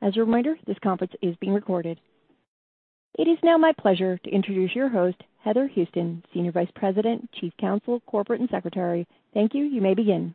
As a reminder, this conference is being recorded. It is now my pleasure to introduce your host, Heather Houston, Senior Vice President, Chief Counsel, Corporate, and Secretary. Thank you. You may begin.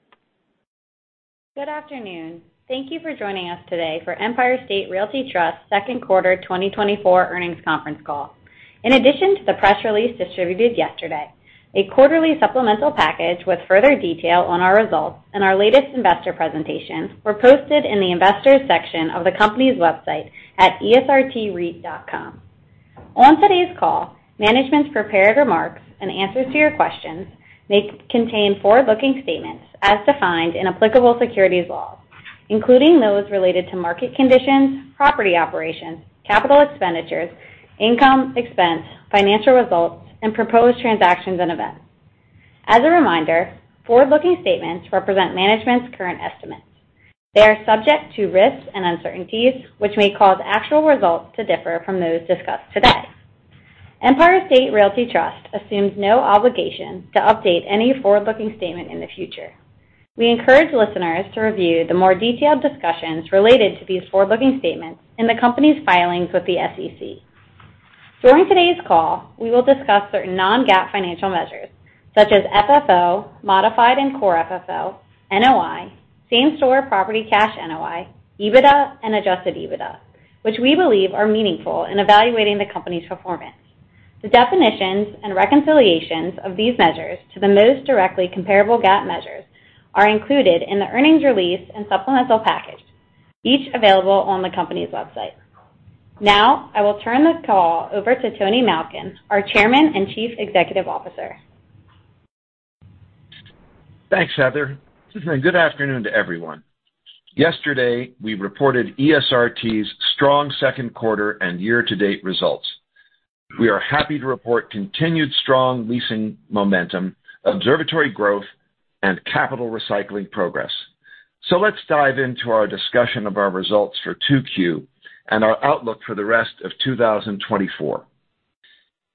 Good afternoon. Thank you for joining us today for Empire State Realty Trust second quarter 2024 earnings conference call. In addition to the press release distributed yesterday, a quarterly supplemental package with further detail on our results and our latest investor presentations were posted in the Investors section of the company's website at esrtreit.com. On today's call, management's prepared remarks and answers to your questions may contain forward-looking statements as defined in applicable securities laws, including those related to market conditions, property operations, capital expenditures, income, expense, financial results, and proposed transactions and events. As a reminder, forward-looking statements represent management's current estimates. They are subject to risks and uncertainties, which may cause actual results to differ from those discussed today. Empire State Realty Trust assumes no obligation to update any forward-looking statement in the future. We encourage listeners to review the more detailed discussions related to these forward-looking statements in the company's filings with the SEC. During today's call, we will discuss certain non-GAAP financial measures such as FFO, modified, and core FFO, NOI, same-store property cash NOI, EBITDA, and adjusted EBITDA, which we believe are meaningful in evaluating the company's performance. The definitions and reconciliations of these measures to the most directly comparable GAAP measures are included in the earnings release and supplemental package, each available on the company's website. Now, I will turn the call over to Tony Malkin, our Chairman and Chief Executive Officer. Thanks, Heather, and good afternoon to everyone. Yesterday, we reported ESRT's strong second quarter and year-to-date results. We are happy to report continued strong leasing momentum, observatory growth, and capital recycling progress. So let's dive into our discussion of our results for 2Q and our outlook for the rest of 2024.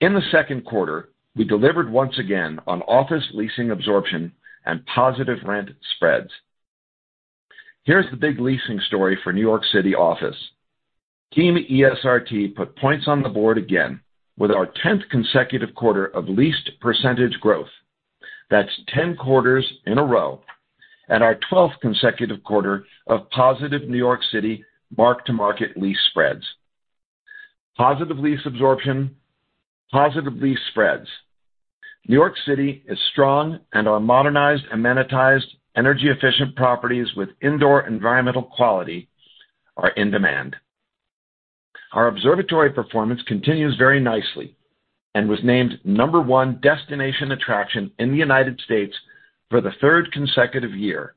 In the second quarter, we delivered once again on office leasing absorption and positive rent spreads. Here's the big leasing story for New York City office. Team ESRT put points on the board again with our 10th consecutive quarter of leased percentage growth. That's 10 quarters in a row and our 12th consecutive quarter of positive New York City mark-to-market lease spreads. Positive lease absorption, positive lease spreads. New York City is strong, and our modernized, amenitized, energy-efficient properties with indoor environmental quality are in demand. Our observatory performance continues very nicely and was named number one destination attraction in the United States for the third consecutive year,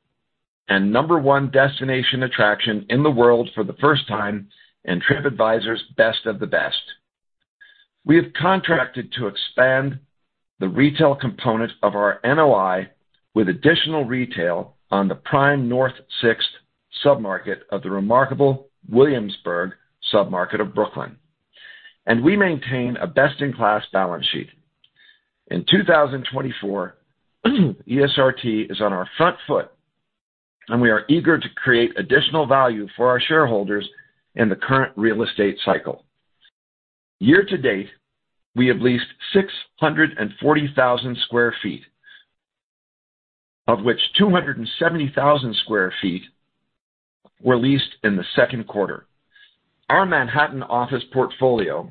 and number one destination attraction in the world for the first time in Tripadvisor's Best of the Best. We have contracted to expand the retail component of our NOI with additional retail on the prime North 6th submarket of the remarkable Williamsburg submarket of Brooklyn, and we maintain a best-in-class balance sheet. In 2024, ESRT is on our front foot, and we are eager to create additional value for our shareholders in the current real estate cycle. Year to date, we have leased 640,000 sq ft, of which 270,000 sq ft were leased in the second quarter. Our Manhattan office portfolio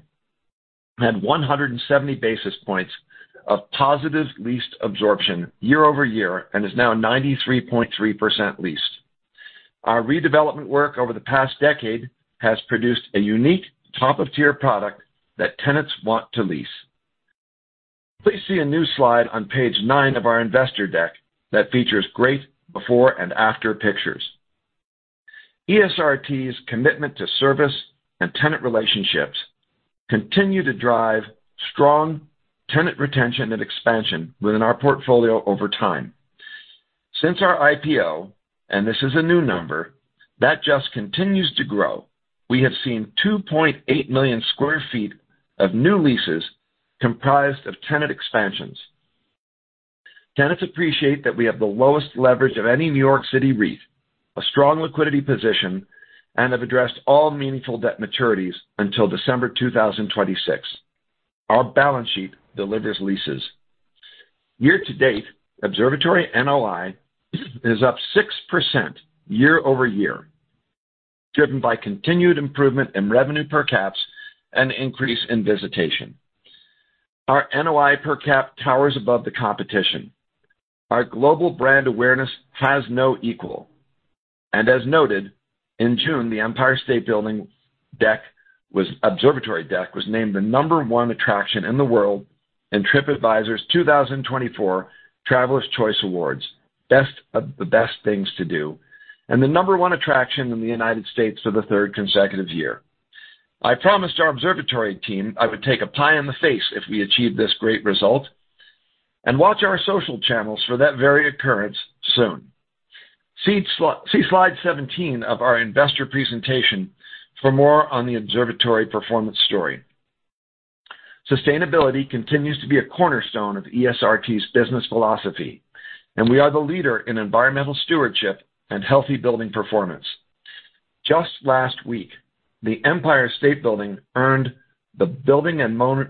had 170 basis points of positive leased absorption year-over-year and is now 93.3% leased. Our redevelopment work over the past decade has produced a unique, top-of-tier product that tenants want to lease. Please see a new slide on page nine of our investor deck that features great before and after pictures. ESRT's commitment to service and tenant relationships continue to drive strong tenant retention and expansion within our portfolio over time. Since our IPO, and this is a new number, that just continues to grow, we have seen 2.8 million sq ft of new leases comprised of tenant expansions. Tenants appreciate that we have the lowest leverage of any New York City REIT, a strong liquidity position, and have addressed all meaningful debt maturities until December 2026. Our balance sheet delivers leases. Year to date, observatory NOI is up 6% year-over-year, driven by continued improvement in revenue per caps and increase in visitation. Our NOI per cap towers above the competition. Our global brand awareness has no equal, and as noted, in June, the Empire State Building observatory deck was named the number one attraction in the world in Tripadvisor's 2024 Travelers' Choice Awards, Best of the Best Things to Do, and the number one attraction in the United States for the third consecutive year. I promised our observatory team I would take a pie in the face if we achieved this great result, and watch our social channels for that very occurrence soon. See slide 17 of our investor presentation for more on the observatory performance story. Sustainability continues to be a cornerstone of ESRT's business philosophy, and we are the leader in environmental stewardship and healthy building performance. Just last week, the Empire State Building earned the Building Owners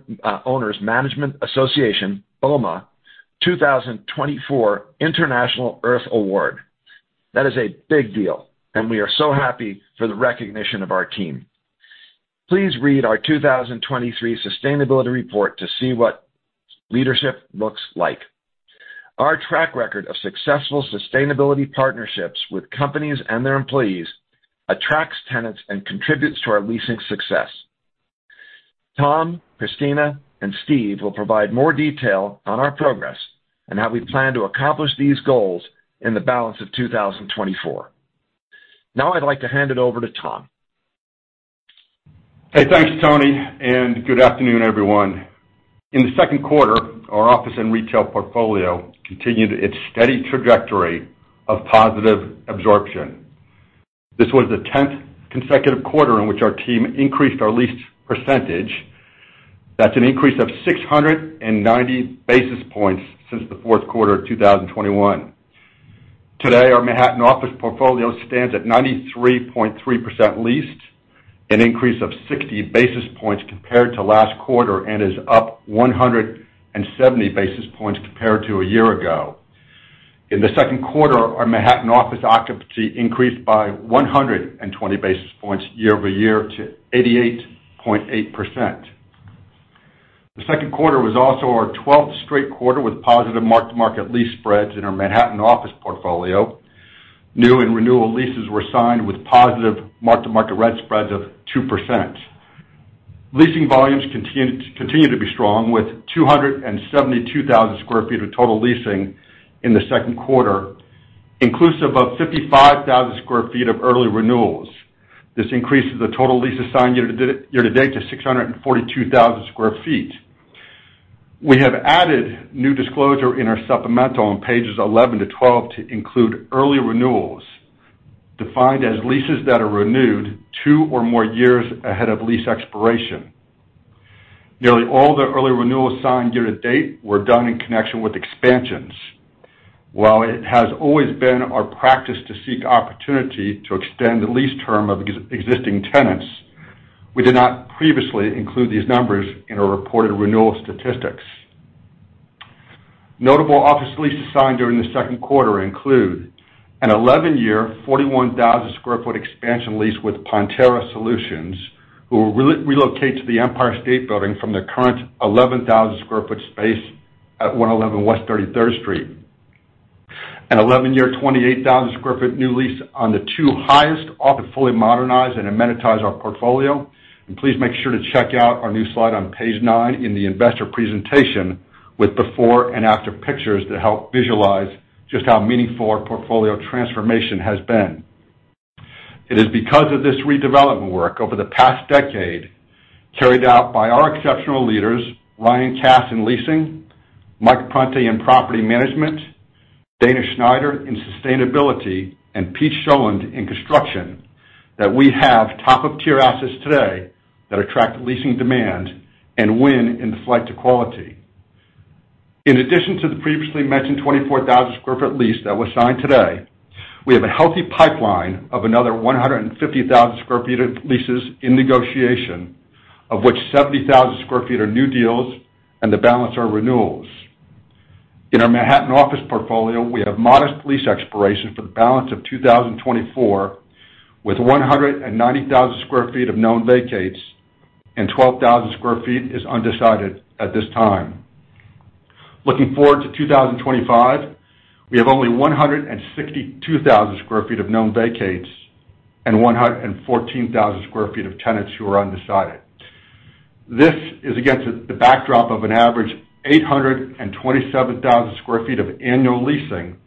and Managers Association, BOMA, 2024 International Earth Award. That is a big deal, and we are so happy for the recognition of our team. Please read our 2023 sustainability report to see what leadership looks like. Our track record of successful sustainability partnerships with companies and their employees attracts tenants and contributes to our leasing success. Tom, Christina, and Steve will provide more detail on our progress and how we plan to accomplish these goals in the balance of 2024. Now I'd like to hand it over to Tom. Hey, thanks, Tony, and good afternoon, everyone. In the second quarter, our office and retail portfolio continued its steady trajectory of positive absorption. This was the 10th consecutive quarter in which our team increased our leased percentage. That's an increase of 690 basis points since the fourth quarter of 2021. Today, our Manhattan office portfolio stands at 93.3% leased, an increase of 60 basis points compared to last quarter, and is up 170 basis points compared to a year ago. In the second quarter, our Manhattan office occupancy increased by 120 basis points year over year to 88.8%. The second quarter was also our 12th straight quarter with positive mark-to-market lease spreads in our Manhattan office portfolio. New and renewal leases were signed with positive mark-to-market rent spreads of 2%. Leasing volumes continue to be strong, with 272,000 sq ft of total leasing in the second quarter, inclusive of 55,000 sq ft of early renewals. This increases the total leases signed year to date to 642,000 sq ft. We have added new disclosure in our supplemental on pages 11 to 12 to include early renewals, defined as leases that are renewed two or more years ahead of lease expiration. Nearly all the early renewals signed year to date were done in connection with expansions. While it has always been our practice to seek opportunity to extend the lease term of existing tenants, we did not previously include these numbers in our reported renewal statistics. Notable office leases signed during the second quarter include an 11-year, 41,000 sq ft expansion lease with Pantheon, who will relocate to the Empire State Building from their current 11,000 sq ft space at 111 West 33rd Street. An 11-year, 28,000 sq ft new lease on the two highest-... fully modernize and amenitize our portfolio. Please make sure to check out our new slide on page 9 in the investor presentation, with before and after pictures that help visualize just how meaningful our portfolio transformation has been. It is because of this redevelopment work over the past decade, carried out by our exceptional leaders, Ryan Kass in leasing, Michael Ponte in property management, Dana Schneider in sustainability, and Peter Sjolund in construction, that we have top-of-tier assets today that attract leasing demand and win in the flight to quality. In addition to the previously mentioned 24,000 sq ft lease that was signed today, we have a healthy pipeline of another 150,000 sq ft of leases in negotiation, of which 70,000 sq ft are new deals and the balance are renewals. In our Manhattan office portfolio, we have modest lease expirations for the balance of 2024, with 190,000 sq ft of known vacates and 12,000 sq ft is undecided at this time. Looking forward to 2025, we have only 162,000 sq ft of known vacates and 114,000 sq ft of tenants who are undecided. This is against the backdrop of an average 827,000 sq ft of annual leasing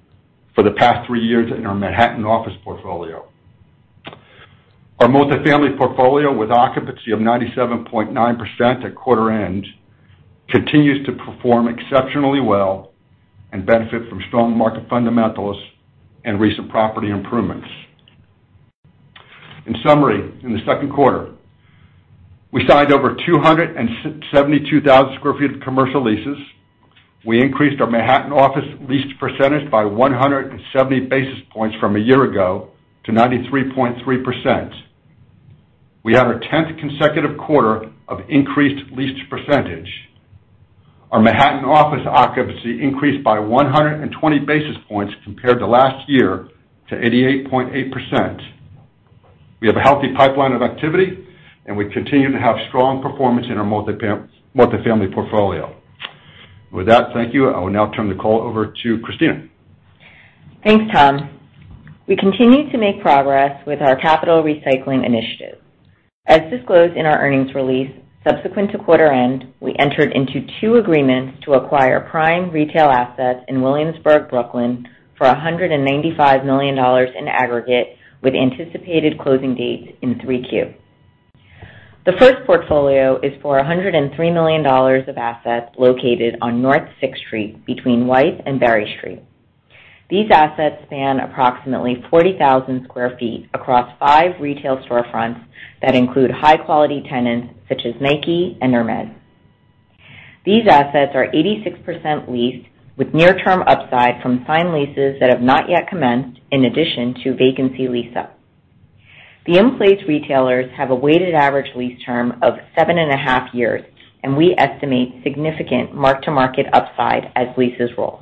for the past three years in our Manhattan office portfolio. Our multifamily portfolio, with occupancy of 97.9% at quarter end, continues to perform exceptionally well and benefit from strong market fundamentals and recent property improvements. In summary, in the second quarter, we signed over 272,000 sq ft of commercial leases. We increased our Manhattan office leased percentage by 170 basis points from a year ago to 93.3%. We have our 10th consecutive quarter of increased leased percentage. Our Manhattan office occupancy increased by 120 basis points compared to last year, to 88.8%. We have a healthy pipeline of activity, and we continue to have strong performance in our multifamily portfolio. With that, thank you. I will now turn the call over to Christina. Thanks, Tom. We continue to make progress with our capital recycling initiative. As disclosed in our earnings release, subsequent to quarter end, we entered into two agreements to acquire prime retail assets in Williamsburg, Brooklyn, for $195 million in aggregate, with anticipated closing dates in 3Q. The first portfolio is for $103 million of assets located on North 6th Street between Wythe and Berry Street. These assets span approximately 40,000 sq ft across five retail storefronts that include high-quality tenants such as Nike and Ermenegildo Zegna. These assets are 86% leased, with near-term upside from signed leases that have not yet commenced, in addition to vacancy lease-up. The in-place retailers have a weighted average lease term of 7.5 years, and we estimate significant mark-to-market upside as leases roll.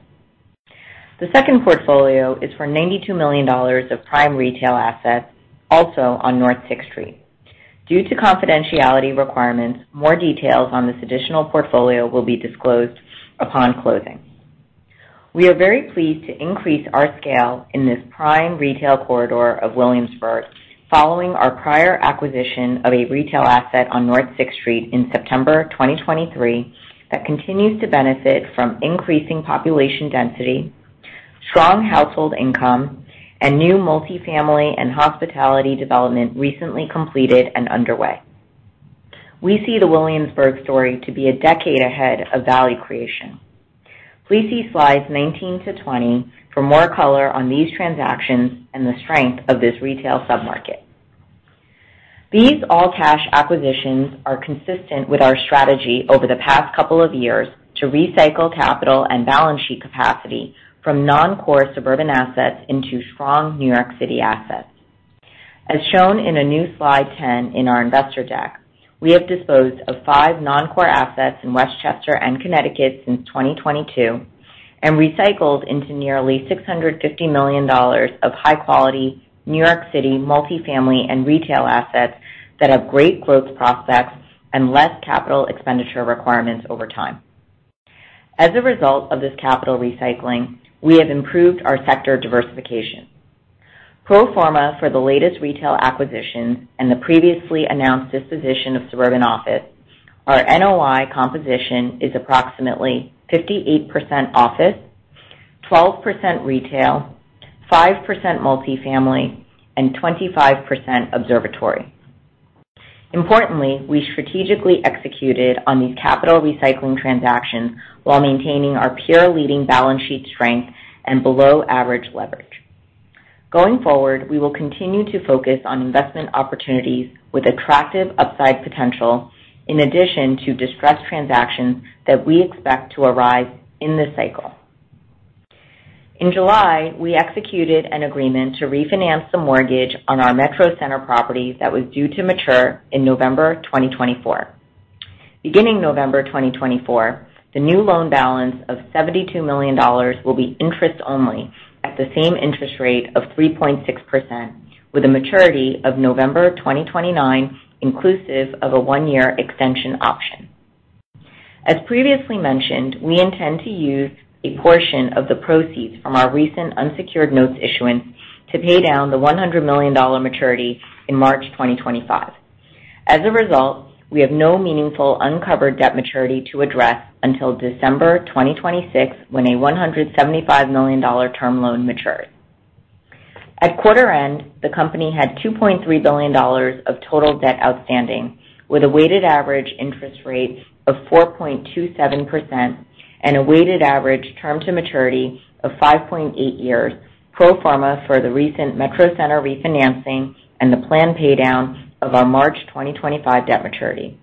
The second portfolio is for $92 million of prime retail assets, also on North 6th Street. Due to confidentiality requirements, more details on this additional portfolio will be disclosed upon closing. We are very pleased to increase our scale in this prime retail corridor of Williamsburg, following our prior acquisition of a retail asset on North 6th Street in September 2023, that continues to benefit from increasing population density, strong household income, and new multifamily and hospitality development recently completed and underway. We see the Williamsburg story to be a decade ahead of value creation. Please see Slides 19 to 20 for more color on these transactions and the strength of this retail submarket. These all-cash acquisitions are consistent with our strategy over the past couple of years to recycle capital and balance sheet capacity from noncore suburban assets into strong New York City assets. As shown in a new Slide 10 in our investor deck, we have disposed of five noncore assets in Westchester and Connecticut since 2022, and recycled into nearly $650 million of high-quality New York City multifamily and retail assets that have great growth prospects and less capital expenditure requirements over time. As a result of this capital recycling, we have improved our sector diversification. Pro forma for the latest retail acquisition and the previously announced disposition of suburban office, our NOI composition is approximately 58% office, 12% retail, 5% multifamily, and 25% observatory. Importantly, we strategically executed on these capital recycling transactions while maintaining our pure leading balance sheet strength and below-average leverage. Going forward, we will continue to focus on investment opportunities with attractive upside potential, in addition to distressed transactions that we expect to arrive in this cycle. In July, we executed an agreement to refinance the mortgage on our Metro Center property that was due to mature in November 2024. Beginning November 2024, the new loan balance of $72 million will be interest only at the same interest rate of 3.6%, with a maturity of November 2029, inclusive of a 1-year extension option. As previously mentioned, we intend to use a portion of the proceeds from our recent unsecured notes issuance to pay down the $100 million maturity in March 2025. As a result, we have no meaningful uncovered debt maturity to address until December 2026, when a $175 million term loan matures. At quarter-end, the company had $2.3 billion of total debt outstanding, with a weighted average interest rate of 4.27% and a weighted average term to maturity of 5.8 years, pro forma for the recent Metro Center refinancing and the planned paydown of our March 2025 debt maturity.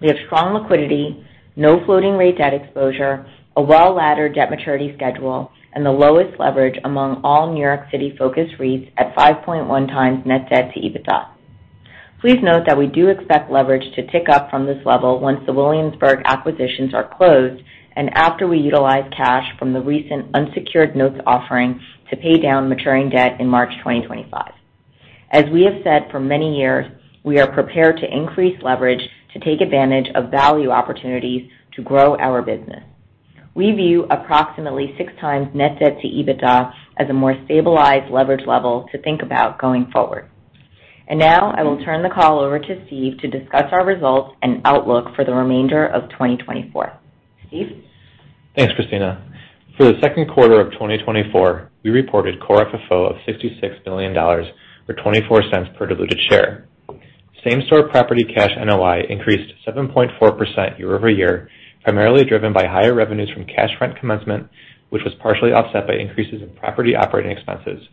We have strong liquidity, no floating rate debt exposure, a well-laddered debt maturity schedule, and the lowest leverage among all New York City-focused REITs at 5.1x net debt to EBITDA. Please note that we do expect leverage to tick up from this level once the Williamsburg acquisitions are closed and after we utilize cash from the recent unsecured notes offering to pay down maturing debt in March 2025. As we have said for many years, we are prepared to increase leverage to take advantage of value opportunities to grow our business. We view approximately 6x net debt to EBITDA as a more stabilized leverage level to think about going forward. And now, I will turn the call over to Steve to discuss our results and outlook for the remainder of 2024. Steve? Thanks, Christina. For the second quarter of 2024, we reported Core FFO of $66 million, or 24 cents per diluted share. Same-store property cash NOI increased 7.4% year-over-year, primarily driven by higher revenues from cash rent commencement, which was partially offset by increases in property operating expenses,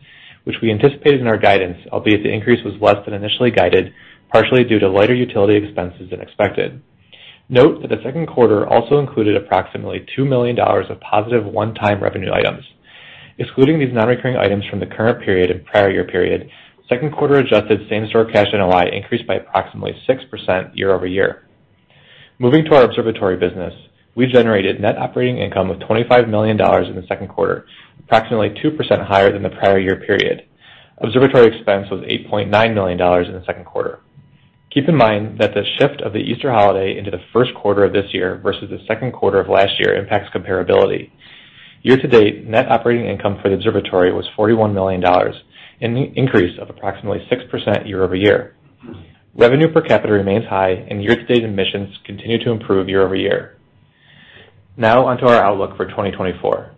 which we anticipated in our guidance, albeit the increase was less than initially guided, partially due to lighter utility expenses than expected. Note that the second quarter also included approximately $2 million of positive one-time revenue items. Excluding these non-recurring items from the current period and prior year period, second quarter adjusted same-store cash NOI increased by approximately 6% year-over-year. Moving to our observatory business, we generated net operating income of $25 million in the second quarter, approximately 2% higher than the prior year period. Observatory expense was $8.9 million in the second quarter. Keep in mind that the shift of the Easter holiday into the first quarter of this year versus the second quarter of last year impacts comparability. Year to date, net operating income for the observatory was $41 million, an increase of approximately 6% year-over-year. Revenue per capita remains high, and year-to-date admissions continue to improve year-over-year. Now on to our outlook for 2024.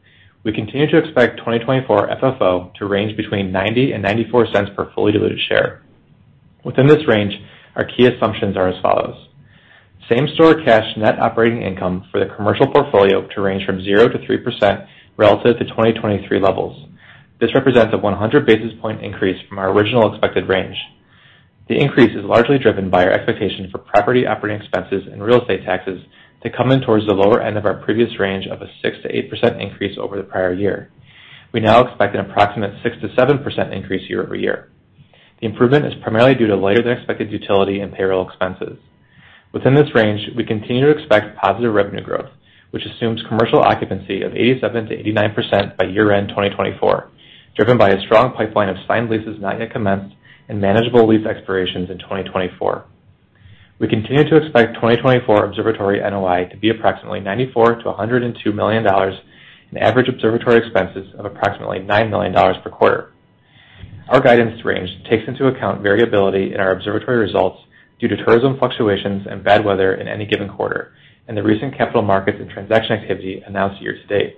We continue to expect 2024 FFO to range between $0.90 and $0.94 per fully diluted share. Within this range, our key assumptions are as follows. Same-store cash net operating income for the commercial portfolio to range from 0%-3% relative to 2023 levels. This represents a 100 basis point increase from our original expected range. The increase is largely driven by our expectation for property operating expenses and real estate taxes to come in towards the lower end of our previous range of a 6%-8% increase over the prior year. We now expect an approximate 6%-7% increase year-over-year. The improvement is primarily due to lighter than expected utility and payroll expenses. Within this range, we continue to expect positive revenue growth, which assumes commercial occupancy of 87%-89% by year-end 2024, driven by a strong pipeline of signed leases not yet commenced and manageable lease expirations in 2024. We continue to expect 2024 Observatory NOI to be approximately $94 million-$102 million, and average Observatory expenses of approximately $9 million per quarter. Our guidance range takes into account variability in our Observatory results due to tourism fluctuations and bad weather in any given quarter, and the recent capital markets and transaction activity announced year to date.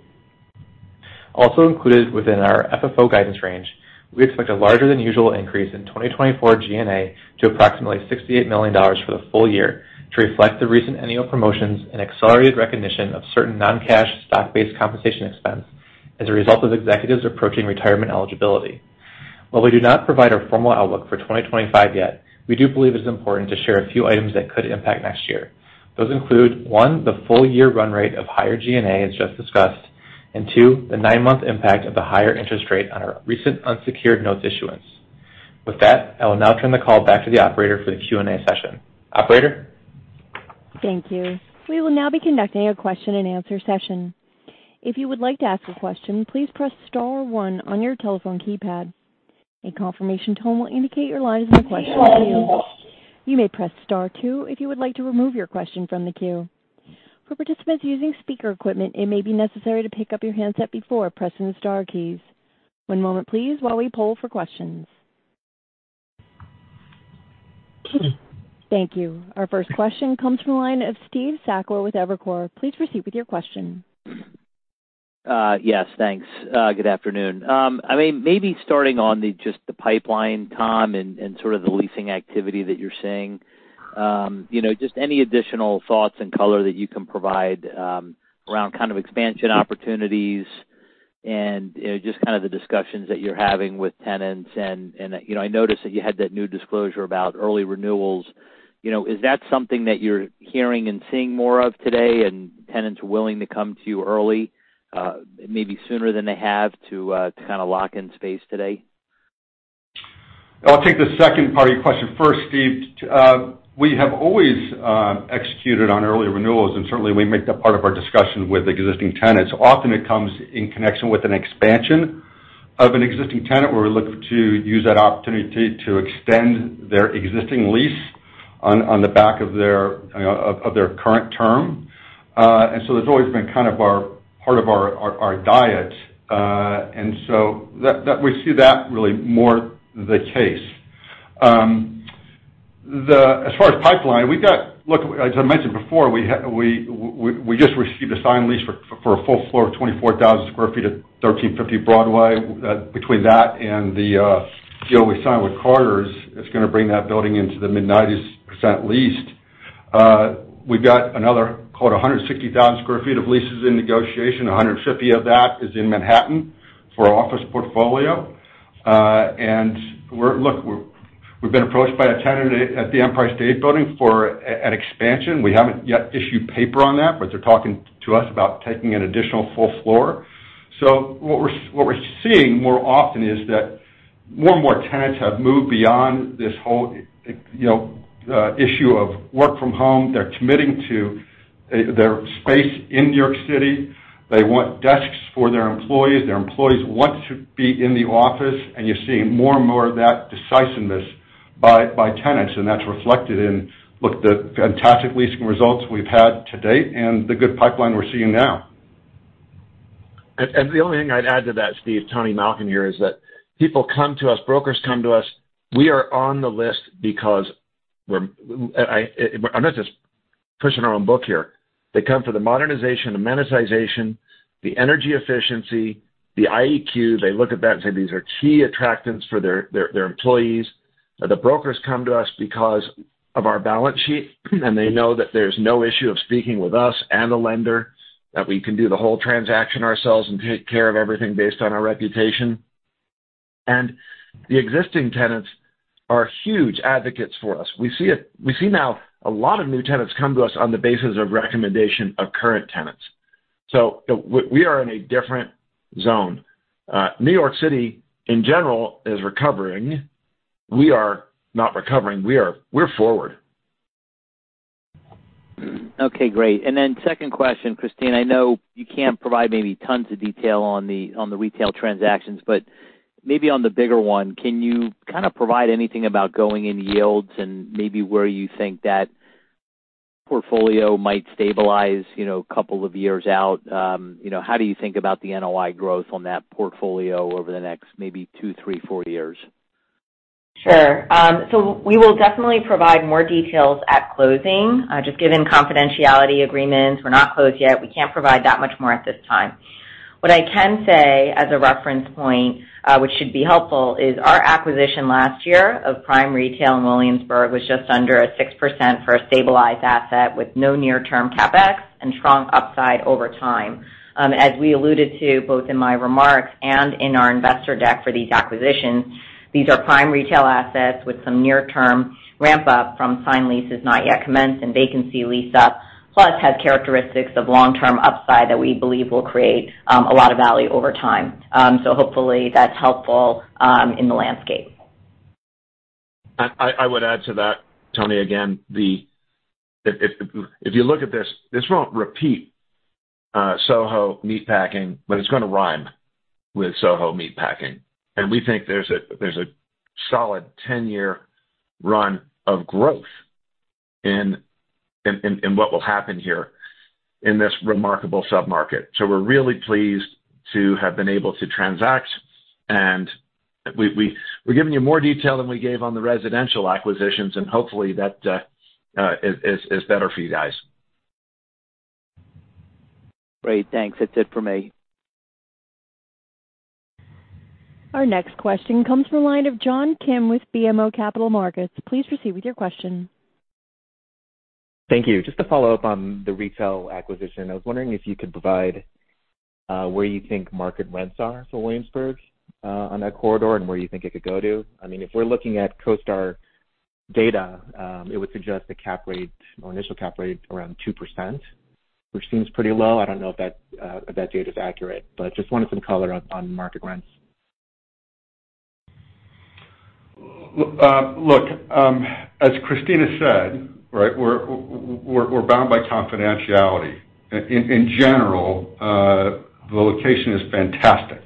Also included within our FFO guidance range, we expect a larger than usual increase in 2024 G&A to approximately $68 million for the full year to reflect the recent NEO promotions and accelerated recognition of certain non-cash stock-based compensation expense as a result of executives approaching retirement eligibility. While we do not provide our formal outlook for 2025 yet, we do believe it's important to share a few items that could impact next year. Those include, 1, the full year run rate of higher G&A, as just discussed, and 2, the 9-month impact of the higher interest rate on our recent unsecured notes issuance. With that, I will now turn the call back to the operator for the Q&A session. Operator? Thank you. We will now be conducting a question-and-answer session. If you would like to ask a question, please press star one on your telephone keypad. A confirmation tone will indicate your line is in the question queue. You may press star two if you would like to remove your question from the queue. For participants using speaker equipment, it may be necessary to pick up your handset before pressing the star keys. One moment please while we poll for questions. Thank you. Our first question comes from the line of Steve Sakwa with Evercore. Please proceed with your question. Yes, thanks. Good afternoon. I mean, maybe starting on the just the pipeline, Tom, and sort of the leasing activity that you're seeing. You know, just any additional thoughts and color that you can provide around kind of expansion opportunities and, you know, just kind of the discussions that you're having with tenants. And you know, I noticed that you had that new disclosure about early renewals. You know, is that something that you're hearing and seeing more of today, and tenants are willing to come to you early, maybe sooner than they have to, to kind of lock in space today? I'll take the second part of your question first, Steve. We have always executed on early renewals, and certainly we make that part of our discussion with existing tenants. Often it comes in connection with an expansion of an existing tenant, where we look to use that opportunity to extend their existing lease on the back of their current term. And so that's always been kind of our part of our diet. And so that we see that really more the case. As far as pipeline, we've got... Look, as I mentioned before, we just received a signed lease for a full floor of 24,000 sq ft at 1350 Broadway. Between that and the deal we signed with Carter's, it's gonna bring that building into the mid-90s% leased. We've got another called 160,000 sq ft of leases in negotiation. 150 of that is in Manhattan for our office portfolio. And look, we've been approached by a tenant at the Empire State Building for an expansion. We haven't yet issued paper on that, but they're talking to us about taking an additional full floor. So what we're seeing more often is that more and more tenants have moved beyond this whole you know issue of work from home. They're committing to their space in New York City. They want desks for their employees. Their employees want to be in the office, and you're seeing more and more of that decisiveness by, by tenants, and that's reflected in, look, the fantastic leasing results we've had to date and the good pipeline we're seeing now. And the only thing I'd add to that, Steve, Tony Malkin here, is that people come to us, brokers come to us. We are on the list because we're, I'm not just pushing our own book here. They come for the modernization, the amenitization, the energy efficiency, the IEQ. They look at that and say these are key attractants for their, their, their employees. But the brokers come to us because of our balance sheet, and they know that there's no issue of speaking with us and a lender, that we can do the whole transaction ourselves and take care of everything based on our reputation. And the existing tenants are huge advocates for us. We see now a lot of new tenants come to us on the basis of recommendation of current tenants. So we are in a different zone. New York City, in general, is recovering. We are not recovering. We're forward. Okay, great. And then second question, Christina, I know you can't provide maybe tons of detail on the, on the retail transactions, but maybe on the bigger one, can you kind of provide anything about going in yields and maybe where you think that portfolio might stabilize, you know, a couple of years out? You know, how do you think about the NOI growth on that portfolio over the next maybe two, three, four years? Sure. So we will definitely provide more details at closing. Just given confidentiality agreements, we're not closed yet. We can't provide that much more at this time.... What I can say as a reference point, which should be helpful, is our acquisition last year of Prime Retail in Williamsburg was just under 6% for a stabilized asset with no near-term CapEx and strong upside over time. As we alluded to, both in my remarks and in our investor deck for these acquisitions, these are prime retail assets with some near-term ramp up from signed leases not yet commenced and vacancy lease up, plus have characteristics of long-term upside that we believe will create a lot of value over time. So hopefully, that's helpful in the landscape. I would add to that, Tony, again, if you look at this, this won't repeat SoHo Meatpacking, but it's gonna rhyme with SoHo Meatpacking. And we think there's a solid ten-year run of growth in what will happen here in this remarkable submarket. So we're really pleased to have been able to transact, and we're giving you more detail than we gave on the residential acquisitions, and hopefully, that is better for you guys. Great, thanks. That's it for me. Our next question comes from the line of John Kim with BMO Capital Markets. Please proceed with your question. Thank you. Just to follow up on the retail acquisition, I was wondering if you could provide where you think market rents are for Williamsburg, on that corridor, and where you think it could go to. I mean, if we're looking at CoStar data, it would suggest a cap rate or initial cap rate around 2%, which seems pretty low. I don't know if that, if that data is accurate, but just wanted some color on market rents. Look, as Christina said, right, we're bound by confidentiality. In general, the location is fantastic.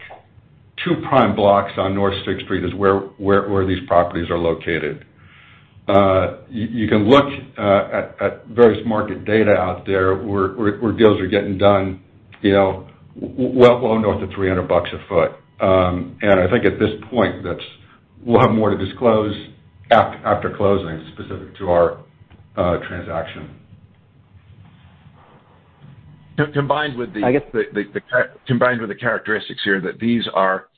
Two prime blocks on North 6th Street is where these properties are located. You can look at various market data out there, where deals are getting done, you know, well below north of $300 a sq ft. And I think at this point, that's... We'll have more to disclose after closing, specific to our transaction. Combined with the- I guess- The combined with the characteristics here, that these are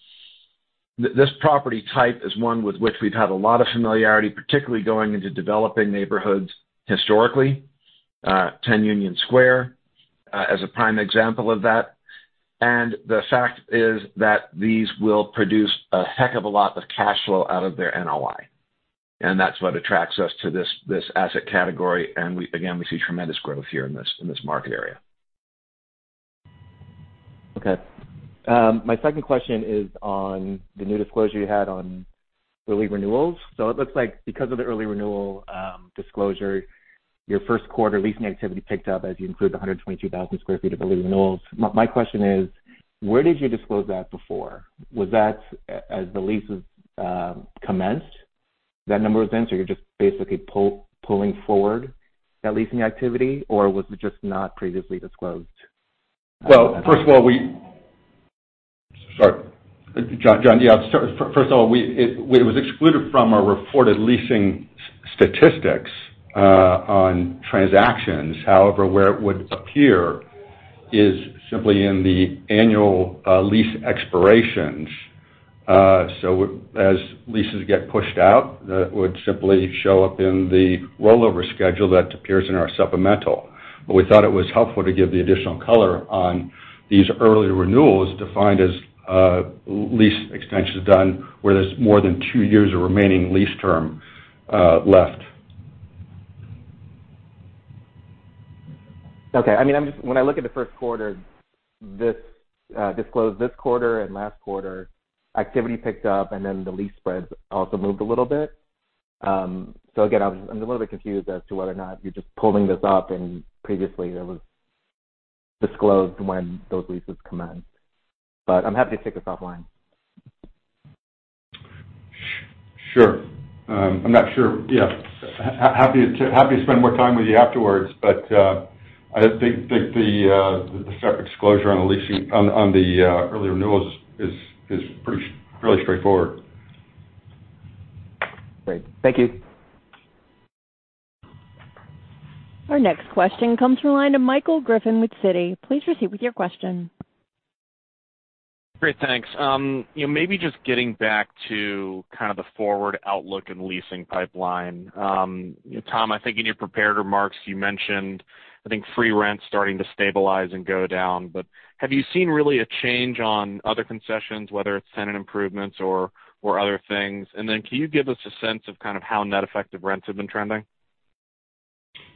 this property type is one with which we've had a lot of familiarity, particularly going into developing neighborhoods historically. 10 Union Square as a prime example of that. And the fact is that these will produce a heck of a lot of cash flow out of their NOI, and that's what attracts us to this asset category, and we again see tremendous growth here in this market area. Okay. My second question is on the new disclosure you had on early renewals. So it looks like because of the early renewal disclosure, your first quarter leasing activity picked up as you include the 122,000 sq ft of early renewals. My question is: Where did you disclose that before? Was that as the leases commenced, that number was in, so you're just basically pulling forward that leasing activity, or was it just not previously disclosed? Sorry. John, John, yeah, so first of all, it was excluded from our reported leasing statistics on transactions. However, where it would appear is simply in the annual lease expirations. So as leases get pushed out, that would simply show up in the rollover schedule that appears in our supplemental. But we thought it was helpful to give the additional color on these early renewals, defined as lease extensions done where there's more than two years of remaining lease term left. Okay. I mean, I'm just. When I look at the first quarter, this disclosure this quarter and last quarter, activity picked up, and then the lease spreads also moved a little bit. So again, I was. I'm a little bit confused as to whether or not you're just pulling this up, and previously, it was disclosed when those leases commenced. But I'm happy to take this offline. Sure. I'm not sure. Yeah, happy to, happy to spend more time with you afterwards, but I think the disclosure on the leasing on the early renewals is pretty, really straightforward. Great. Thank you. Our next question comes from the line of Michael Griffin with Citi. Please proceed with your question. Great, thanks. You know, maybe just getting back to kind of the forward outlook and leasing pipeline. Tom, I think in your prepared remarks, you mentioned, I think, free rent starting to stabilize and go down. But have you seen really a change on other concessions, whether it's tenant improvements or, or other things? And then can you give us a sense of kind of how net effective rents have been trending?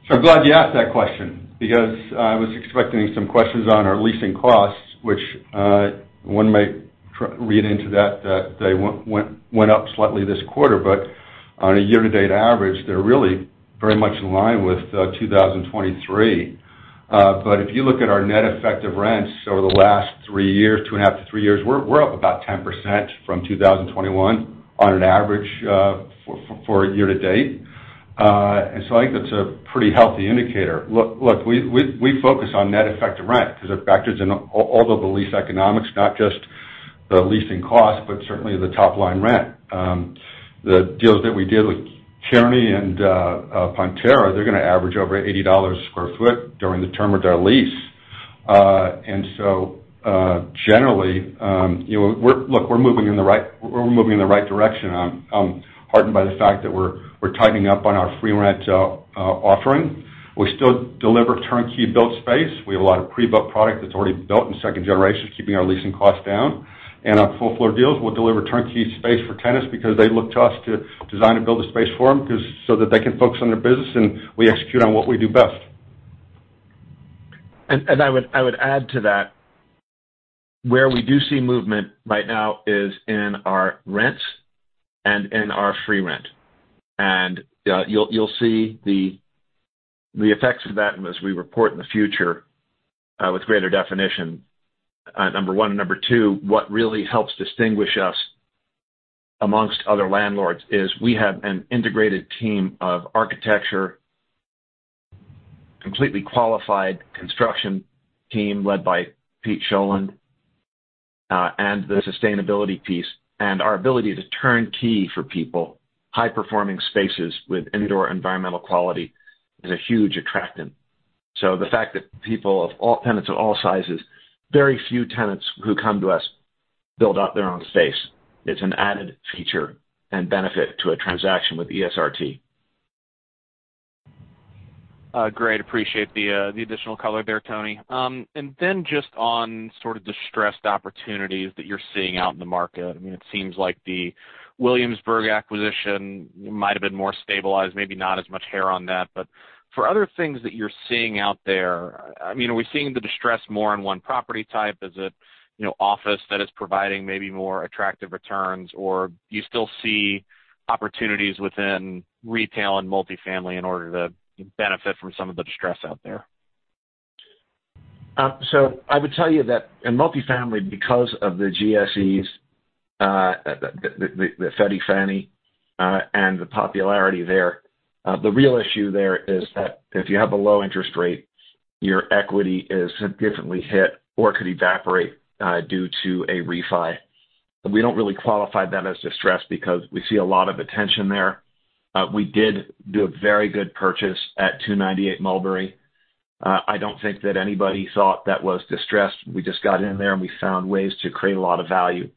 So I'm glad you asked that question because I was expecting some questions on our leasing costs, which, one might read into that, that they went up slightly this quarter. But on a year-to-date average, they're really very much in line with 2023. But if you look at our net effective rents over the last three years, two and a half to three years, we're up about 10% from 2021 on an average for year to date. And so I think that's a pretty healthy indicator. Look, we focus on net effective rent because it factors in all of the lease economics, not just the leasing costs, but certainly the top-line rent. The deals that we did with Kearney and Pantera, they're gonna average over $80 a sq ft during the term of their lease. And so, generally, you know, we're—Look, we're moving in the right direction. I'm heartened by the fact that we're tightening up on our free rent offering. We still deliver turnkey built space. We have a lot of pre-built product that's already built in second generation, keeping our leasing costs down. And on full floor deals, we'll deliver turnkey space for tenants because they look to us to design and build a space for them, 'cause so that they can focus on their business, and we execute on what we do best. And I would add to that, where we do see movement right now is in our rents and in our free rent. And you'll see the effects of that as we report in the future with greater definition, number one. Number two, what really helps distinguish us among other landlords is we have an integrated team of architecture, completely qualified construction team, led by Peter Sjolund, and the sustainability piece, and our ability to turnkey for people, high-performing spaces with indoor environmental quality is a huge attractant. So the fact that people of all tenants of all sizes, very few tenants who come to us build out their own space. It's an added feature and benefit to a transaction with ESRT. Great. Appreciate the, the additional color there, Tony. And then just on sort of distressed opportunities that you're seeing out in the market. I mean, it seems like the Williamsburg acquisition might have been more stabilized, maybe not as much hair on that. But for other things that you're seeing out there, I mean, are we seeing the distress more in one property type? Is it, you know, office that is providing maybe more attractive returns, or do you still see opportunities within retail and multifamily in order to benefit from some of the distress out there? So I would tell you that in multifamily, because of the GSEs, the Freddie, Fannie, and the popularity there, the real issue there is that if you have a low interest rate, your equity is significantly hit or could evaporate, due to a refi. We don't really qualify that as distressed because we see a lot of attention there. We did do a very good purchase at 298 Mulberry. I don't think that anybody thought that was distressed. We just got in there, and we found ways to create a lot of value.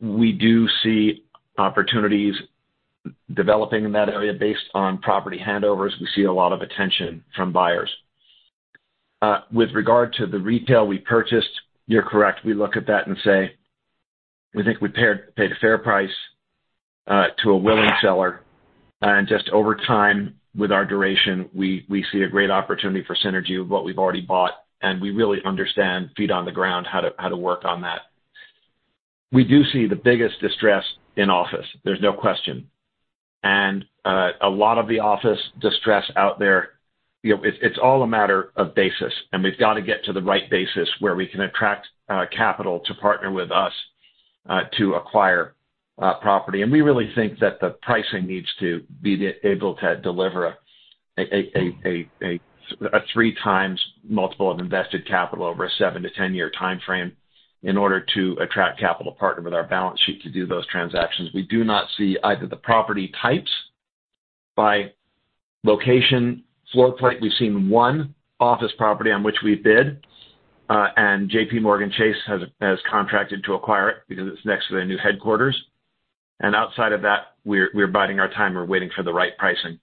We do see opportunities developing in that area based on property handovers. We see a lot of attention from buyers. With regard to the retail we purchased, you're correct. We look at that and say, we think we paid a fair price to a willing seller. And just over time, with our duration, we see a great opportunity for synergy of what we've already bought, and we really understand, feet on the ground, how to work on that. We do see the biggest distress in office. There's no question. And a lot of the office distress out there, you know, it's all a matter of basis, and we've got to get to the right basis where we can attract capital to partner with us to acquire property. And we really think that the pricing needs to be able to deliver a 3x multiple of invested capital over a 7-10 year timeframe in order to attract capital to partner with our balance sheet to do those transactions. We do not see either the property types by location, floor plate. We've seen one office property on which we bid, and JPMorgan Chase has contracted to acquire it because it's next to their new headquarters. And outside of that, we're biding our time. We're waiting for the right pricing.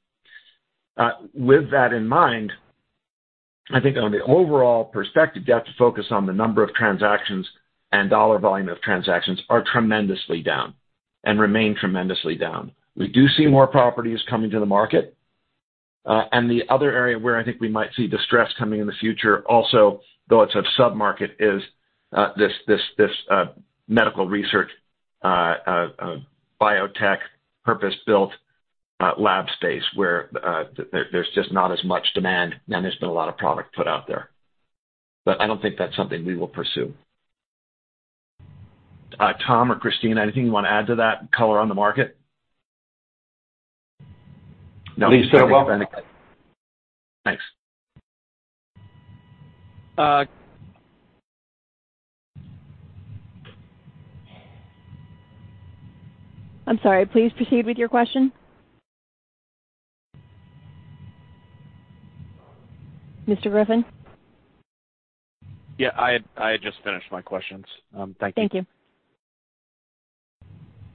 With that in mind, I think on the overall perspective, you have to focus on the number of transactions, and dollar volume of transactions are tremendously down and remain tremendously down. We do see more properties coming to the market. And the other area where I think we might see distress coming in the future also, though it's a sub-market, is this medical research biotech purpose-built lab space, where there's just not as much demand, and there's been a lot of product put out there. But I don't think that's something we will pursue. Tom or Christine, anything you want to add to that color on the market? No, you said it well. Thanks. I'm sorry. Please proceed with your question. Mr. Griffin? Yeah, I had just finished my questions. Thank you. Thank you.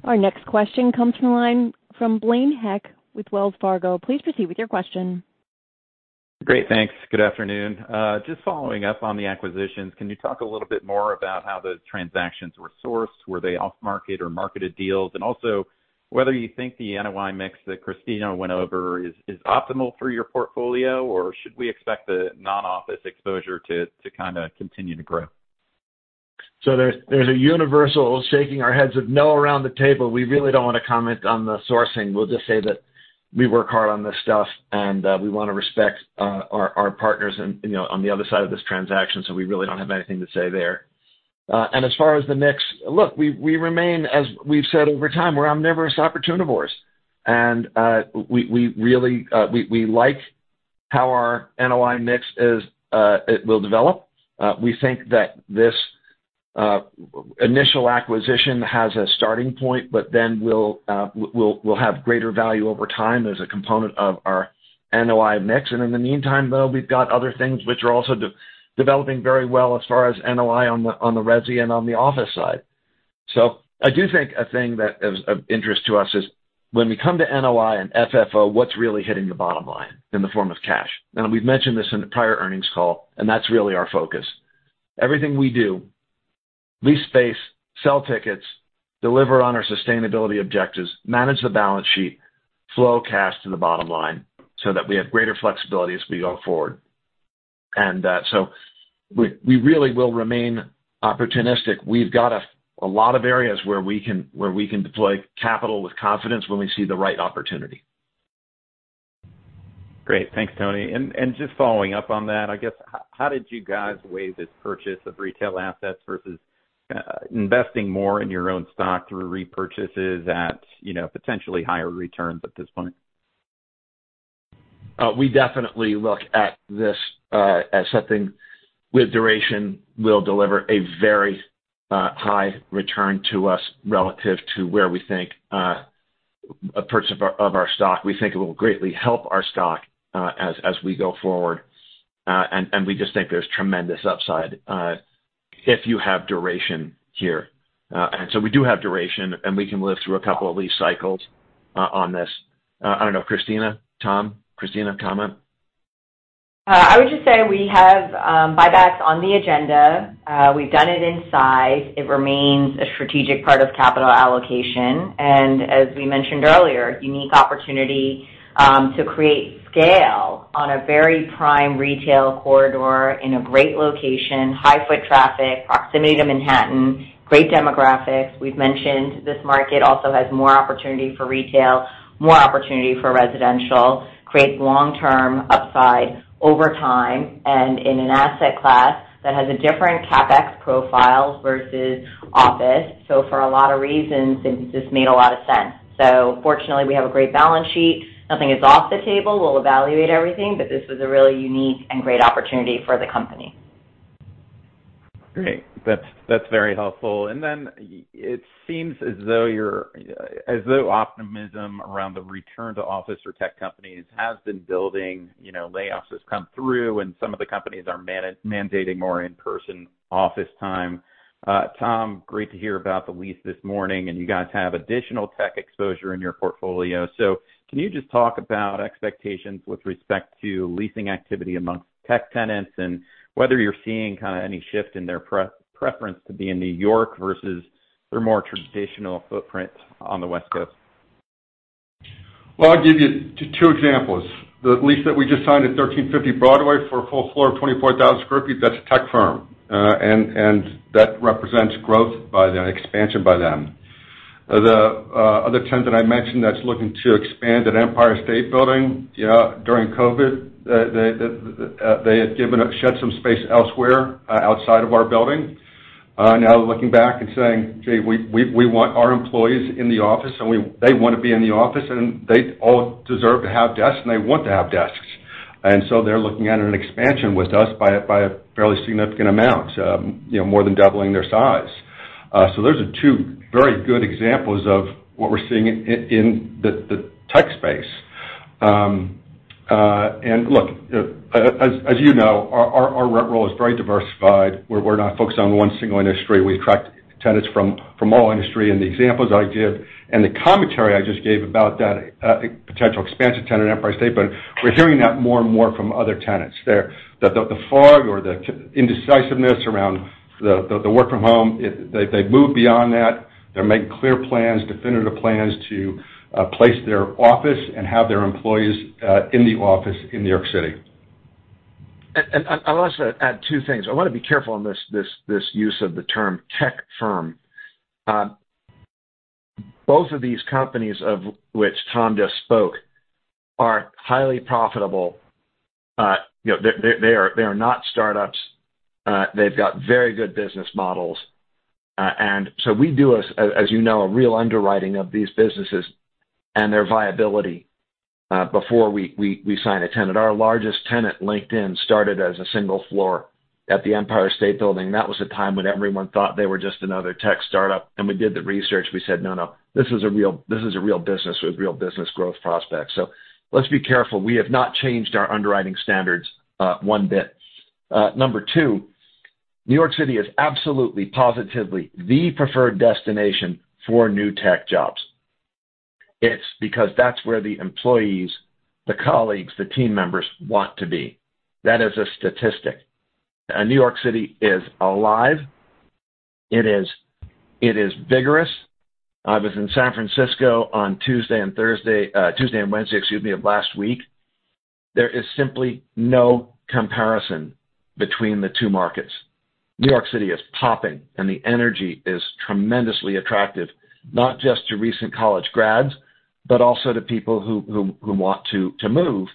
Our next question comes from the line from Blaine Heck with Wells Fargo. Please proceed with your question. Great, thanks. Good afternoon. Just following up on the acquisitions, can you talk a little bit more about how the transactions were sourced? Were they off market or marketed deals? And also, whether you think the NOI mix that Christina went over is optimal for your portfolio, or should we expect the non-office exposure to kind of continue to grow? So there's a universal shaking our heads of no around the table. We really don't want to comment on the sourcing. We'll just say that we work hard on this stuff, and we want to respect our partners and, you know, on the other side of this transaction, so we really don't have anything to say there. And as far as the mix, look, we remain, as we've said over time, we're omnivorous opportunivores. And we really like how our NOI mix is, it will develop. We think that this initial acquisition has a starting point, but then we'll have greater value over time as a component of our NOI mix. In the meantime, though, we've got other things which are also developing very well as far as NOI on the, on the resi and on the office side. So I do think a thing that is of interest to us is when we come to NOI and FFO, what's really hitting the bottom line in the form of cash? And we've mentioned this in a prior earnings call, and that's really our focus. Everything we do, lease space, sell tickets, deliver on our sustainability objectives, manage the balance sheet, flow cash to the bottom line so that we have greater flexibility as we go forward. So we really will remain opportunistic. We've got a lot of areas where we can deploy capital with confidence when we see the right opportunity. Great. Thanks, Tony. And just following up on that, I guess, how did you guys weigh this purchase of retail assets versus investing more in your own stock through repurchases at, you know, potentially higher returns at this point? We definitely look at this as something with duration, will deliver a very high return to us relative to where we think a purchase of our, of our stock. We think it will greatly help our stock as we go forward. And we just think there's tremendous upside if you have duration here. And so we do have duration, and we can live through a couple of lease cycles on this. I don't know, Christina, Tom? Christina, comment. I would just say we have buybacks on the agenda. We've done it in size. It remains a strategic part of capital allocation, and as we mentioned earlier, unique opportunity to create scale on a very prime retail corridor in a great location, high foot traffic, proximity to Manhattan, great demographics. We've mentioned this market also has more opportunity for retail, more opportunity for residential, create long-term upside over time, and in an asset class that has a different CapEx profile versus office. So for a lot of reasons, this just made a lot of sense. So fortunately, we have a great balance sheet. Nothing is off the table. We'll evaluate everything, but this was a really unique and great opportunity for the company. Great. That's, that's very helpful. And then it seems as though you're, as though optimism around the return to office for tech companies has been building. You know, layoffs has come through, and some of the companies are mandating more in-person office time. Tom, great to hear about the lease this morning, and you guys have additional tech exposure in your portfolio. So can you just talk about expectations with respect to leasing activity amongst tech tenants, and whether you're seeing kind of any shift in their preference to be in New York versus their more traditional footprint on the West Coast? Well, I'll give you two examples. The lease that we just signed at 1350 Broadway for a full floor of 24,000 sq ft, that's a tech firm. That represents growth by them, expansion by them. The other tenant I mentioned that's looking to expand at Empire State Building, during COVID, they had given up, shed some space elsewhere, outside of our building. Now looking back and saying, "Gee, we want our employees in the office, and they want to be in the office, and they all deserve to have desks, and they want to have desks." And so they're looking at an expansion with us by a fairly significant amount, you know, more than doubling their size. So those are two very good examples of what we're seeing in the tech space. And look, as you know, our rent roll is very diversified. We're not focused on one single industry. We attract tenants from all industry, and the examples I gave and the commentary I just gave about that potential expansion tenant at Empire State, but we're hearing that more and more from other tenants. The fog or the indecisiveness around the work from home, they've moved beyond that. They're making clear plans, definitive plans, to place their office and have their employees in the office in New York City. I'll also add two things. I want to be careful on this use of the term tech firm. Both of these companies, of which Tom just spoke, are highly profitable. You know, they are not startups. They've got very good business models, and so we do, as you know, a real underwriting of these businesses and their viability, before we sign a tenant. Our largest tenant, LinkedIn, started as a single floor at the Empire State Building. That was a time when everyone thought they were just another tech startup, and we did the research. We said, "No, this is a real business with real business growth prospects." So let's be careful. We have not changed our underwriting standards one bit. Number two, New York City is absolutely, positively the preferred destination for new tech jobs. It's because that's where the employees, the colleagues, the team members want to be. That is a statistic. And New York City is alive. It is vigorous. I was in San Francisco on Tuesday and Wednesday, excuse me, of last week. There is simply no comparison between the two markets. New York City is popping, and the energy is tremendously attractive, not just to recent college grads, but also to people whom want to move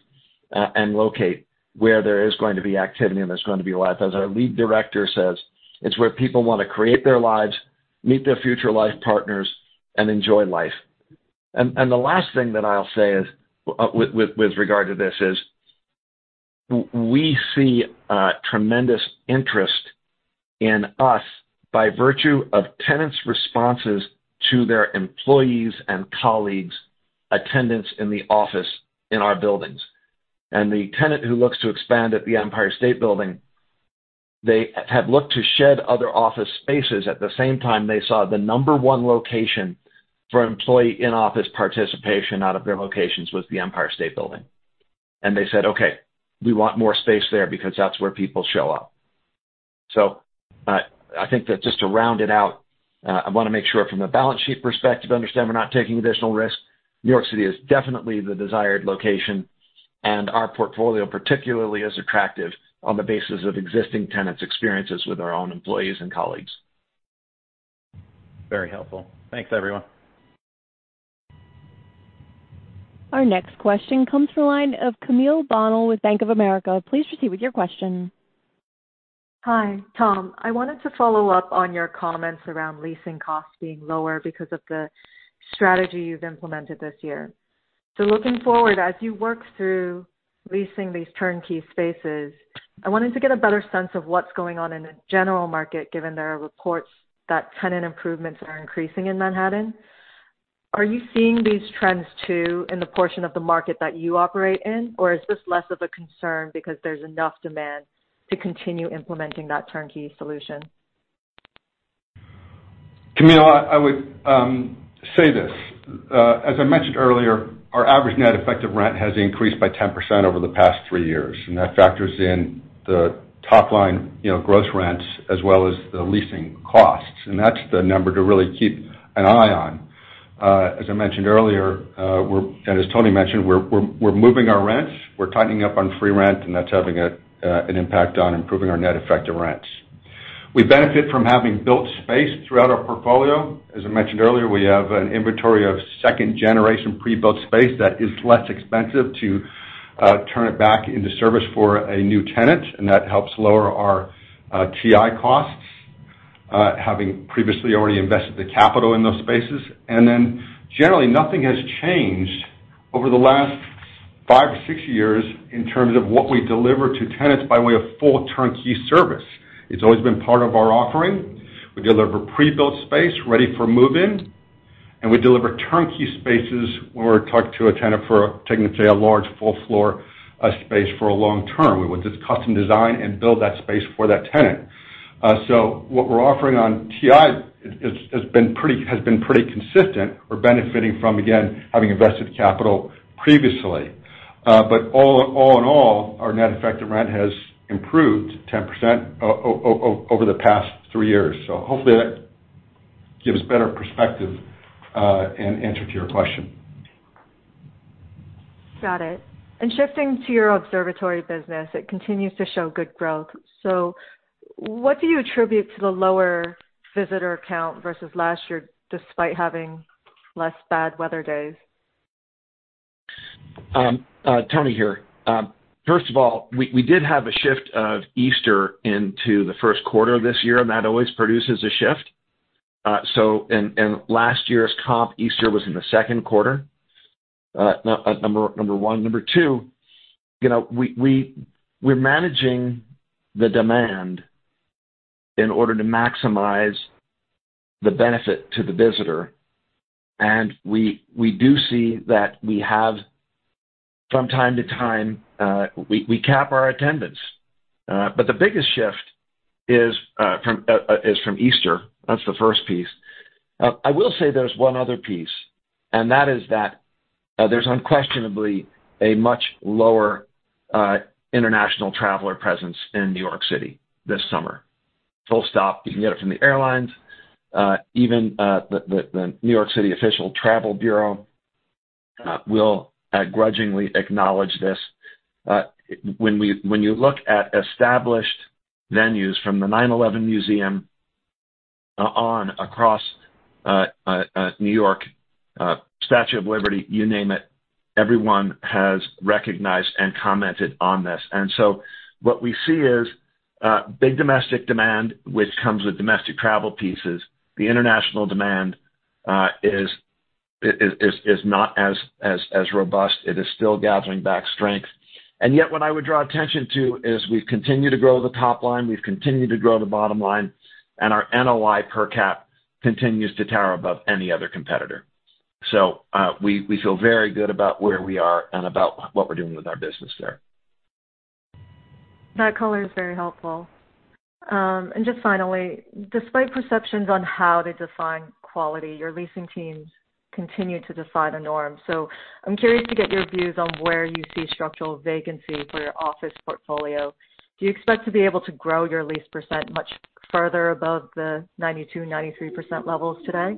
and locate where there is going to be activity and there's going to be life. As our lead director says, "It's where people want to create their lives, meet their future life partners, and enjoy life."... The last thing that I'll say is, with regard to this, we see tremendous interest in us by virtue of tenants' responses to their employees' and colleagues' attendance in the office in our buildings. And the tenant who looks to expand at the Empire State Building, they have looked to shed other office spaces. At the same time, they saw the number one location for employee in-office participation out of their locations was the Empire State Building. And they said, "Okay, we want more space there because that's where people show up." So, I think that just to round it out, I want to make sure from a balance sheet perspective, understand we're not taking additional risk. New York City is definitely the desired location, and our portfolio particularly is attractive on the basis of existing tenants' experiences with our own employees and colleagues. Very helpful. Thanks, everyone. Our next question comes from the line of Camille Bonnel with Bank of America. Please proceed with your question. Hi, Tom. I wanted to follow up on your comments around leasing costs being lower because of the strategy you've implemented this year. So looking forward, as you work through leasing these turnkey spaces, I wanted to get a better sense of what's going on in the general market, given there are reports that tenant improvements are increasing in Manhattan. Are you seeing these trends, too, in the portion of the market that you operate in? Or is this less of a concern because there's enough demand to continue implementing that turnkey solution? Camille, I would say this. As I mentioned earlier, our average net effective rent has increased by 10% over the past 3 years, and that factors in the top line, you know, gross rents as well as the leasing costs, and that's the number to really keep an eye on. As I mentioned earlier, we're—and as Tony mentioned, we're moving our rents. We're tightening up on free rent, and that's having an impact on improving our net effective rents. We benefit from having built space throughout our portfolio. As I mentioned earlier, we have an inventory of second-generation pre-built space that is less expensive to turn it back into service for a new tenant, and that helps lower our TI costs, having previously already invested the capital in those spaces. And then, generally, nothing has changed over the last 5 or 6 years in terms of what we deliver to tenants by way of full turnkey service. It's always been part of our offering. We deliver pre-built space ready for move-in, and we deliver turnkey spaces when we're talking to a tenant for technically a large full floor, space for a long term. We would just custom design and build that space for that tenant. So what we're offering on TI is, has, has been pretty, has been pretty consistent. We're benefiting from, again, having invested capital previously. But all, all in all, our net effective rent has improved 10% over the past 3 years. So hopefully, that gives better perspective, and answer to your question. Got it. And shifting to your observatory business, it continues to show good growth. So what do you attribute to the lower visitor count versus last year, despite having less bad weather days? Tony here. First of all, we did have a shift of Easter into the first quarter of this year, and that always produces a shift. So and, and last year's comp, Easter was in the second quarter, number one. Number two, you know, we're managing the demand in order to maximize the benefit to the visitor, and we do see that we have from time to time, we cap our attendance. But the biggest shift is from Easter. That's the first piece. I will say there's one other piece, and that is that there's unquestionably a much lower international traveler presence in New York City this summer. Full stop. You can get it from the airlines, even the New York City official travel bureau will grudgingly acknowledge this. When you look at established venues from the 9/11 Museum on across New York, Statue of Liberty, you name it, everyone has recognized and commented on this. And so what we see is big domestic demand, which comes with domestic travel pieces. The international demand is not as robust. It is still gathering back strength. And yet, what I would draw attention to is we've continued to grow the top line, we've continued to grow the bottom line, and our NOI per cap continues to tower above any other competitor. So, we feel very good about where we are and about what we're doing with our business there. That color is very helpful. Just finally, despite perceptions on how to define quality, your leasing teams continue to define the norm. I'm curious to get your views on where you see structural vacancy for your office portfolio. Do you expect to be able to grow your lease percent much further above the 92%-93% levels today?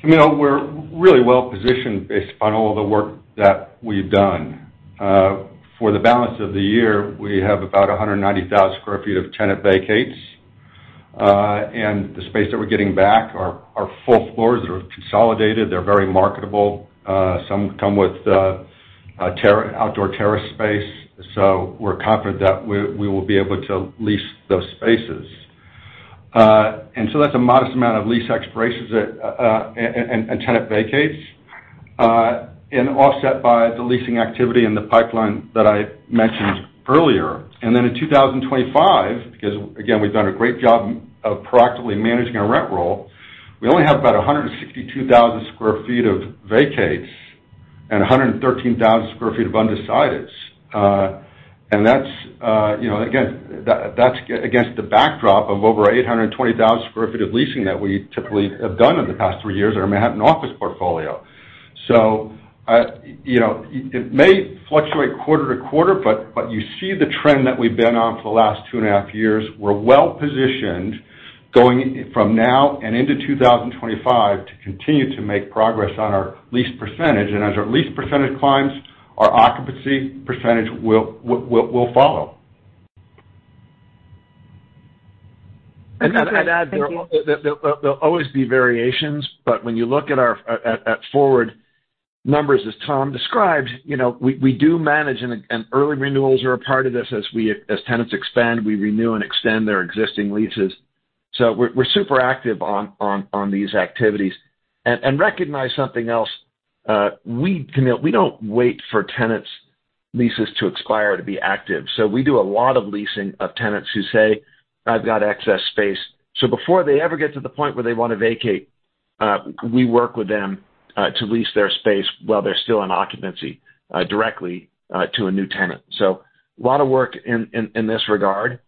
Camille, we're really well positioned based on all the work that we've done. For the balance of the year, we have about 190,000 sq ft of tenant vacates, and the space that we're getting back are full floors that are consolidated. They're very marketable. Some come with outdoor terrace space, so we're confident that we will be able to lease those spaces. And so that's a modest amount of lease expirations that and tenant vacates, and offset by the leasing activity in the pipeline that I mentioned earlier. And then in 2025, because, again, we've done a great job of proactively managing our rent roll, we only have about 162,000 sq ft of vacates and 113,000 sq ft of undecideds. And that's, you know, again, that's against the backdrop of over 820,000 sq ft of leasing that we typically have done in the past three years in our Manhattan office portfolio. So, you know, it may fluctuate quarter to quarter, but you see the trend that we've been on for the last two and a half years. We're well positioned, going from now and into 2025, to continue to make progress on our lease percentage. And as our lease percentage climbs, our occupancy percentage will follow. I'd add, there'll always be variations, but when you look at our forward numbers, as Tom described, you know, we do manage, and early renewals are a part of this. As tenants expand, we renew and extend their existing leases. So we're super active on these activities. And recognize something else, we don't wait for tenants' leases to expire to be active. So we do a lot of leasing of tenants who say, "I've got excess space." So before they ever get to the point where they want to vacate, we work with them to lease their space while they're still in occupancy, directly to a new tenant. So a lot of work in this regard,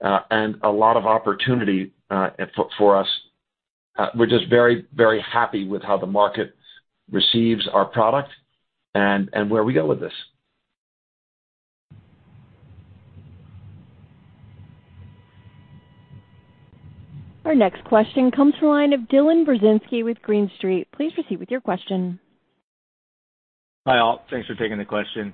and a lot of opportunity for us. We're just very, very happy with how the market receives our product and where we go with this. Our next question comes from the line of Dylan Burzinski with Green Street. Please proceed with your question. Hi, all. Thanks for taking the question.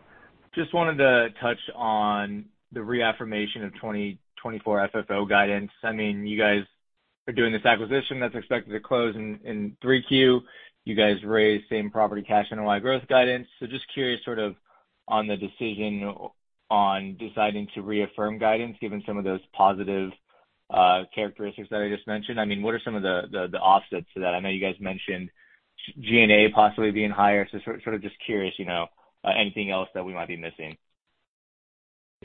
Just wanted to touch on the reaffirmation of 2024 FFO guidance. I mean, you guys are doing this acquisition that's expected to close in Q3. You guys raised same property cash NOI growth guidance. So just curious, sort of, on the decision on deciding to reaffirm guidance, given some of those positive characteristics that I just mentioned. I mean, what are some of the offsets to that? I know you guys mentioned G&A possibly being higher. So sort of just curious, you know, anything else that we might be missing.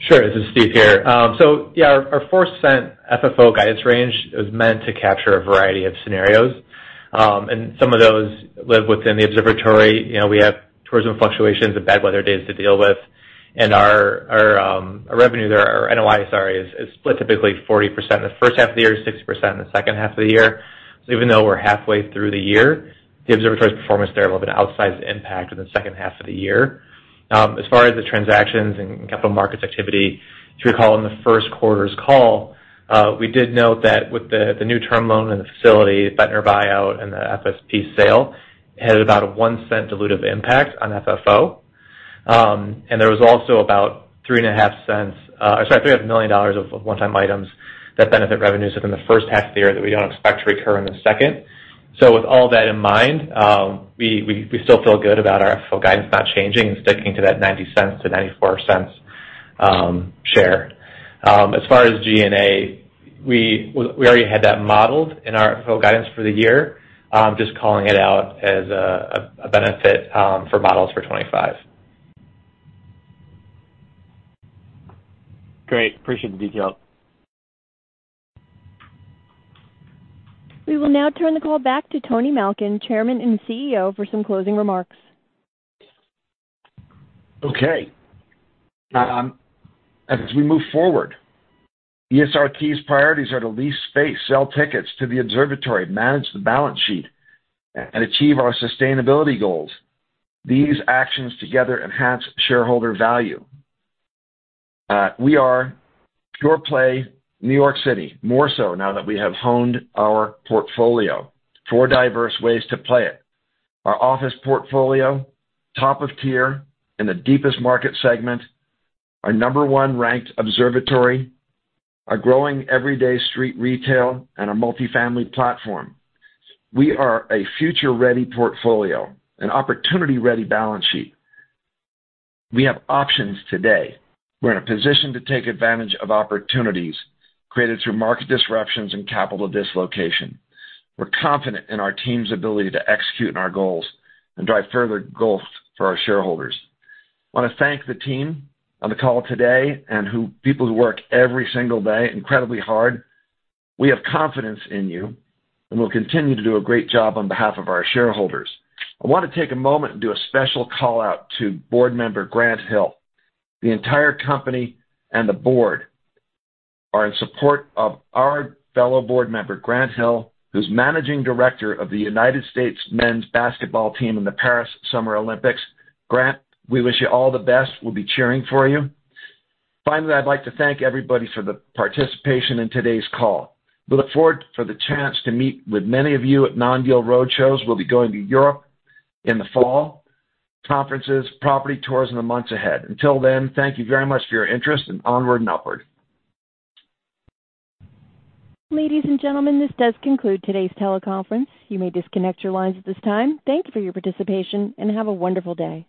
Sure. This is Steve here. So, yeah, our 4-cent FFO guidance range is meant to capture a variety of scenarios. And some of those live within the observatory. You know, we have tourism fluctuations and bad weather days to deal with. And our revenue, our NOI, sorry, is split typically 40% in the first half of the year, 60% in the second half of the year. So even though we're halfway through the year, the observatory's performance there will have an outsized impact in the second half of the year. As far as the transactions and capital markets activity, if you recall, in the first quarter's call, we did note that with the new term loan and the facility, Fetner buyout, and the FSP sale, it had about a $0.01 dilutive impact on FFO. And there was also about 3.5 cents, sorry, $3.5 million of one-time items that benefit revenues within the first half of the year that we don't expect to recur in the second. So with all that in mind, we still feel good about our FFO guidance not changing and sticking to that $0.90-$0.94 share. As far as G&A, we already had that modeled in our FFO guidance for the year. Just calling it out as a benefit for models for 2025. Great. Appreciate the detail. We will now turn the call back to Tony Malkin, Chairman and CEO, for some closing remarks. Okay. As we move forward, ESRT's priorities are to lease space, sell tickets to the observatory, manage the balance sheet, and achieve our sustainability goals. These actions together enhance shareholder value. We are pure play New York City, more so now that we have honed our portfolio. Four diverse ways to play it: our office portfolio, top of tier in the deepest market segment, our number one ranked observatory, our growing everyday street retail, and our multifamily platform. We are a future-ready portfolio and opportunity-ready balance sheet. We have options today. We're in a position to take advantage of opportunities created through market disruptions and capital dislocation. We're confident in our team's ability to execute on our goals and drive further goals for our shareholders. I want to thank the team on the call today and people who work every single day, incredibly hard. We have confidence in you, and we'll continue to do a great job on behalf of our shareholders. I want to take a moment and do a special call-out to board member Grant Hill. The entire company and the board are in support of our fellow board member, Grant Hill, who's managing director of the United States men's basketball team in the Paris Summer Olympics. Grant, we wish you all the best. We'll be cheering for you. Finally, I'd like to thank everybody for the participation in today's call. We look forward to the chance to meet with many of you at non-deal roadshows. We'll be going to Europe in the fall, conferences, property tours in the months ahead. Until then, thank you very much for your interest, and onward and upward. Ladies and gentlemen, this does conclude today's teleconference. You may disconnect your lines at this time. Thank you for your participation, and have a wonderful day.